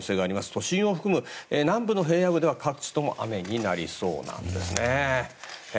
都心を含む南部の平野部では各地とも雨になりそうです。